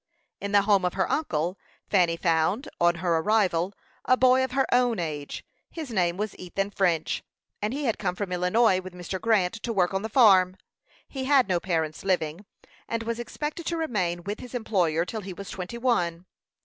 In the home of her uncle, Fanny found, on her arrival, a boy of her own age. His name was Ethan French; and he had come from Illinois with Mr. Grant to work on the farm. He had no parents living, and was expected to remain with his employer till he was twenty one.